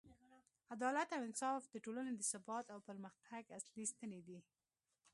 عدالت او انصاف د ټولنې د ثبات او پرمختګ اصلي ستنې دي.